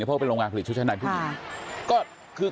เพราะเป็นโรงงานผลิตชุดใช้หนังผู้หญิง